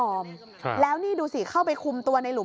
พอหลังจากเกิดเหตุแล้วเจ้าหน้าที่ต้องไปพยายามเกลี้ยกล่อม